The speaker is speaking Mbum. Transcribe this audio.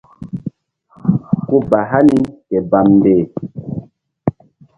Ku ba hani ke bamnde.